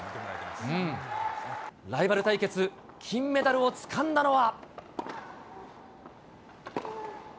ライバル対決、金メダルをつかんだのは。